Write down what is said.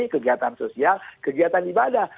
kegiatan sosial kegiatan ibadah